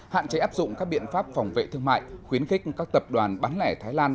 hạn chế áp dụng các biện pháp phòng vệ thương mại khuyến khích các tập đoàn bán lẻ thái lan